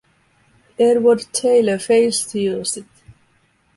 Edward Taylor fails to use it.